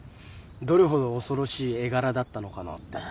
どれほど恐ろしい絵柄だったのかなって。